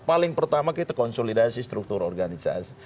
paling pertama kita konsolidasi struktur organisasi